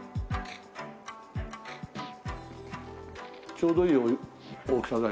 ちょうどいい大きさだよね。